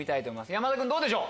山田君どうでしょう？